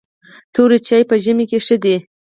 توري چای په ژمي کې ښه دي .